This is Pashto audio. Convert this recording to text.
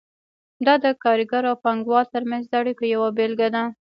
دا د کارګر او پانګه وال ترمنځ د اړیکو یوه بیلګه ده.